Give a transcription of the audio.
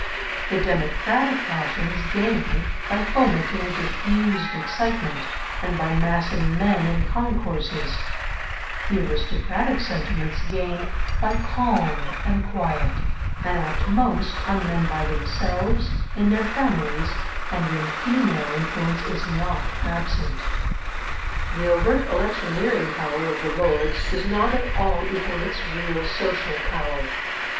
The democratic passions gain by fomenting a diffused excitement, and by massing men in concourses; the aristocratic sentiments gain by calm and quiet, and act most on men by themselves, in their families, and when female influence is not absent. The overt electioneering power of the Lords does not at all equal its real social power.